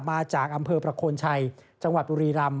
มาจากอำเภอประโคนชัยจังหวัดบุรีรำ